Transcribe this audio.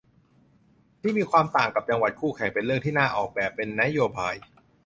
ที่มีความต่างกับจังหวัดคู่แข่งเป็นเรื่องที่น่าออกแบบเป็นนโยบาย